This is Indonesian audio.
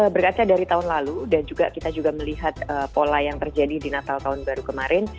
berkaca dari tahun lalu dan juga kita juga melihat pola yang terjadi di natal tahun baru kemarin